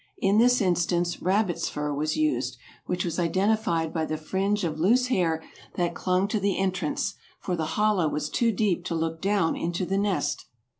In this instance rabbit's fur was used, which was identified by the fringe of loose hair that clung to the entrance, for the hollow was too deep to look down into the nest.